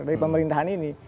dari pemerintahan ini